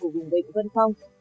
của vùng vịnh vân phong